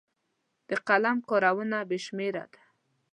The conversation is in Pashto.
د قلم کارونه بې شمېره دي.